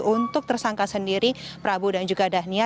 untuk tersangka sendiri prabu dan juga dhania